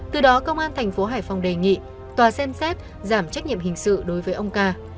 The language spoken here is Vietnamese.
từ đó công an thành phố hải phòng đề nghị tòa xem xét giảm trách nhiệm hình sự đối với ông ca